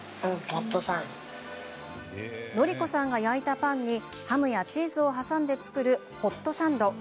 則子さんの焼いたパンにハムやチーズを挟んで作るホットサンド。